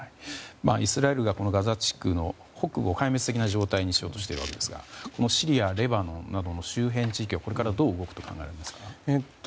イスラエルがガザ地区北部を壊滅的状況にしようとしているわけですがシリア、レバノンなどの周辺地域はこれからどう動くと考えられますか？